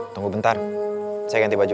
tunggu bentar saya ganti baju